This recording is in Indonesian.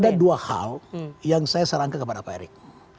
ada dua hal yang saya sarankan kepada pak erick